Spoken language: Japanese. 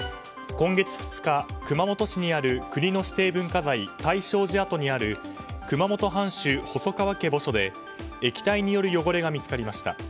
今月２日、熊本市にある国の指定文化財、泰勝寺跡にある熊本藩主細川家墓所で液体による汚れが見つかりました。